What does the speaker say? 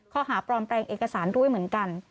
ข้อหาปลอมแปลงเอกสารด้วยเหมือนกัน